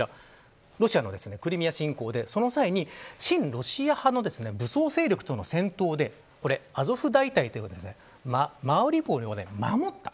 ロシアのクリミア侵攻でその際に親ロシア派武装勢力との戦闘でアゾフ大隊がマリウポリを守った。